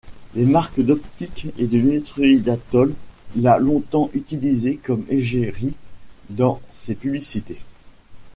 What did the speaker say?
La marque d'optique et lunetterie Atol l'a longtemps utilisé comme égérie dans ses publicités.